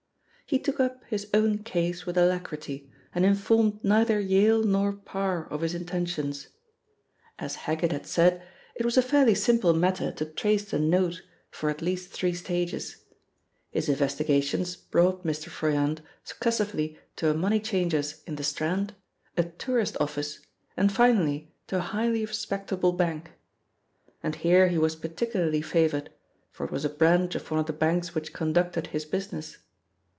He took up his own case with alacrity, and informed neither Yale nor Parr of his intentions. As Heggitt had said, it was a fairly simple matter to trace the note, for at least three stages. His investigations brought Mr. Froyant successively to a money changer's in the Strand, a tourist office and finally to a highly respectable bank. And here he was particularly favoured, for it was a branch of one of the banks which conducted his business.